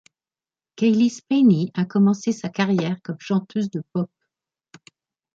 Cailee Spaeny a commencé sa carrière comme chanteuse de pop.